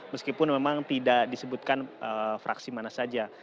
meskipun memang tidak disebutkan fraksi mana saja